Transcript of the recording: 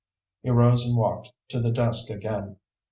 He rose and walked to the desk again.